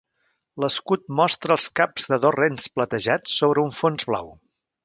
L'escut mostra els caps de dos rens platejats sobre un fons blau.